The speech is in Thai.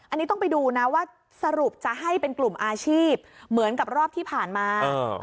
อันนี้ต้องไปดูนะว่าสรุปจะให้เป็นกลุ่มอาชีพเหมือนกับรอบที่ผ่านมา